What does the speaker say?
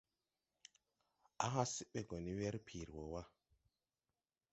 Á hã see ɓe gɔ ne wɛrpiri wɔ wà..